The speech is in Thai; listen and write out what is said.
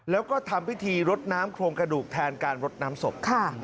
แล้วก็ทำพิธีรดน้ำโครงกระดูกแทนการรดน้ำศพ